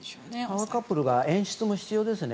パワーカップル演出も必要ですね。